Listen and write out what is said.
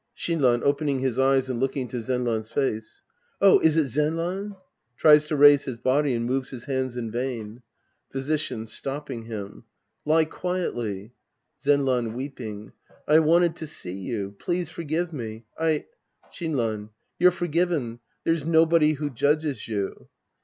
Shinran {opening his eyes and looking into Zenran's face!) Oh, is it Zenran ? {Tries to raise his body, and moves his hands in vain.) Physician {stopping him). Lie quietly. Zenran {weeping). I wanted to see you. Please forgive me. I — Shinran. You're forgiven. There's nobody who judges you.